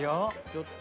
ちょっと。